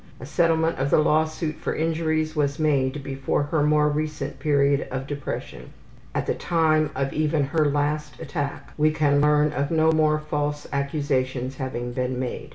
A settlement of the law suit for injuries was made before her more recent period of depression. At the time of even her last attack we can learn of no more false accusations having been made.